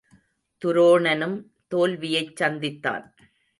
துரோணனும் தோல்வியைச் சந்தித்தான்.